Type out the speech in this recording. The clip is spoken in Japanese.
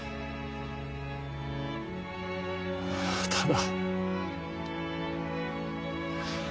ただ。